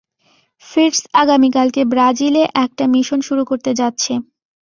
ফিটজ আগামীকালকে ব্রাজিলে একটা মিশন শুরু করতে যাচ্ছে।